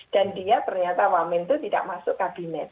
dan dia ternyata wamen itu tidak masuk kabinet